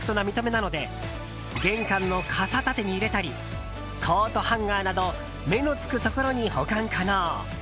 なので玄関の傘立てに入れたりコートハンガーなど目のつくところに保管可能。